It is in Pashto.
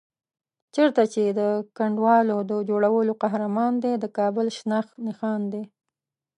چېرته چې د کنډوالو د جوړولو قهرمان دی، د کابل شناخت نښان دی.